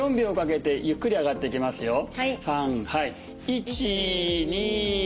１２３。